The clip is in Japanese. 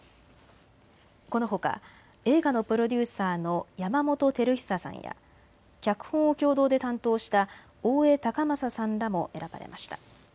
このほか映画のプロデューサーの山本晃久さんや脚本を共同で担当した大江崇允さんらも選ばれました。